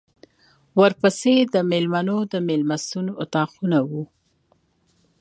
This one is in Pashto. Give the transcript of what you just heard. ورپسې د مېلمنو د مېلمستون اطاقونه و.